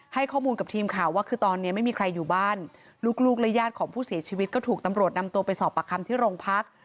ให้ข้อมูลกับทีมข่าวว่าคือตอนนี้ไม่มีใครอยู่บ้านลูกและญาติของผู้เสียชีวิตก็ถูกตำรวจนำตัวไปสอบประคำที่โรงพัก